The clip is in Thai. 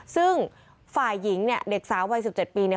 ซึ่งฝ่ายหญิงเนี่ยเด็กสาววัย๑๗ปีเนี่ย